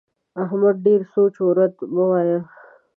احمده! ډېر پوچ و رد مه وايه.